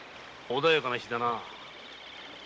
穏やかな日だな。